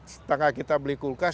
setengah kita beli kulkas